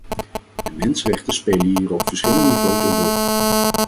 De mensenrechten spelen hier op verschillende niveaus een rol.